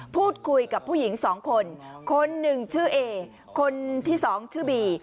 พูดคุยกับผู้หญิงสองคนคนหนึ่งชื่อเอคนที่สองชื่อบี